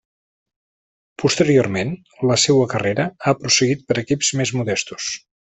Posteriorment, la seua carrera ha prosseguit per equips més modestos.